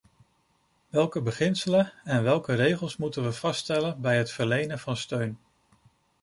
Welke beginselen en welke regels moeten we vaststellen bij het verlenen van steun?